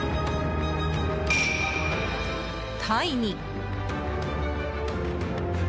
タイに。